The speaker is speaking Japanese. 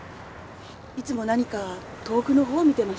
いつも何か遠くのほうを見てましたよ。